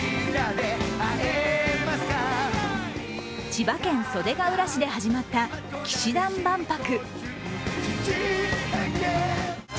千葉県袖ケ浦市で始まった氣志團万博。